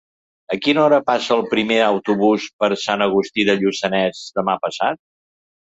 A quina hora passa el primer autobús per Sant Agustí de Lluçanès demà passat?